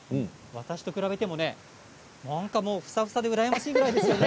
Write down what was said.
私と比べてもなんかふさふさでうらやましいぐらいですよね。